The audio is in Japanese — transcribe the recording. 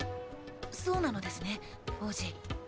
そうなのですね王子。